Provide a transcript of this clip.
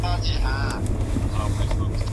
د خامک په طرحو کي کوم رنګونه ډېر کارول کيږي؟